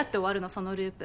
そのループ。